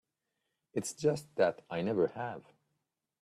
It's just that I never have.